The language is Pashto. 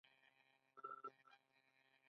دلته ادا ده له هر څه تللې